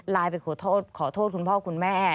ลายไปขอโทษคุณพ่อคุณแม่